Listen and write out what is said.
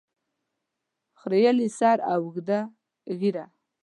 خریلي سر او اوږده ږیره